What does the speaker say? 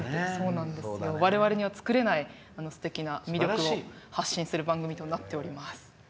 我々には作れないすてきな魅力を発信する番組となっております。